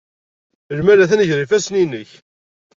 Imal atan gar yifassen-nnek.